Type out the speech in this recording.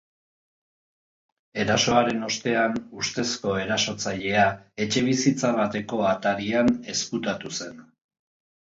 Erasoaren ostean, ustezko erasotzailea etxebizitza bateko atarian ezkutatu zen.